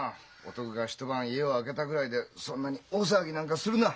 男が一晩家を空けたぐらいでそんなに大騒ぎなんかするな。